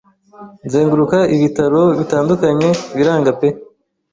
nzenguruka ibitaro bitandukanye biranga pe,